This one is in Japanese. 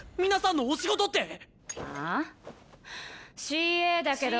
ＣＡだけど。